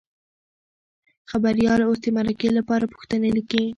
خبریال اوس د مرکې لپاره پوښتنې لیکي.